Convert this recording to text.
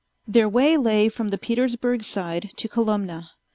Their way lay from the Petersburg Side to Kolomna.